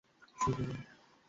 কখনও বই এর অসম্মান করবে না!